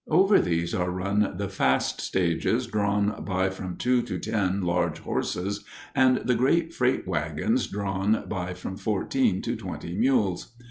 Over these are run the fast stages drawn by from two to ten large horses, and the great freight wagons drawn by from fourteen to twenty mules.